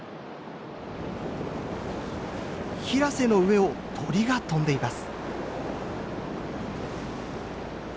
平瀬の上を鳥が飛んでいます。